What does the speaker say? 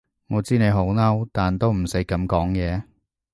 我知你好嬲，但都唔使噉講嘢